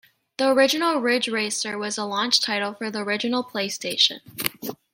The original "Ridge Racer" was a launch title for the original PlayStation.